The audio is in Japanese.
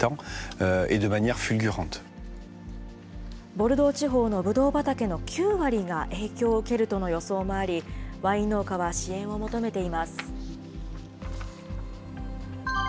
ボルドー地方のブドウ畑の９割が影響を受けるとの予想もあり、ワイン農家は支援を求めています。